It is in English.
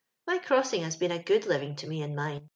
" My crossing has been a good living to me and mine.